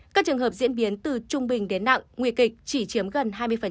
các trường hợp diễn biến từ trung bình đến nặng nguy kịch chỉ chiếm gần hai mươi